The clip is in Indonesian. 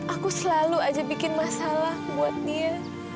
aku selalu aja bikin masalah buat dia